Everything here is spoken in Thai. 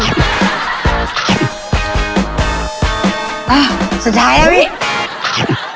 อ้าวสุดท้ายแล้วนี่